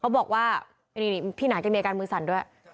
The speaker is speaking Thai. บอกว่านี่พี่หนาแกมีอาการมือสั่นด้วย